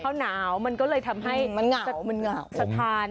เขาหนาวมันก็เลยทำให้สะพาน